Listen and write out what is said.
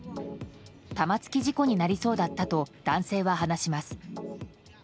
玉突き事故になりそうだったと男性は話します。